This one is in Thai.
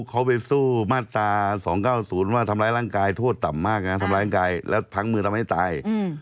เขาไปสู้มาตรา๒๙๐ว่าทำร้ายร่างกายโทษต่ำมากนะทำร้ายร่างกายแล้วพังมือทำให้ตาย